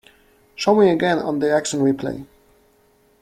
Show me again on the action replay